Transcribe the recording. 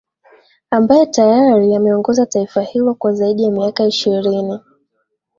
ambaye tayari ameongoza taifa hilo kwa zaidi ya miaka ishirini